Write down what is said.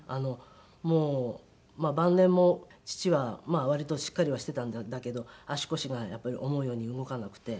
もうまあ晩年も父はまあ割としっかりはしてたんだけど足腰がやっぱり思うように動かなくて。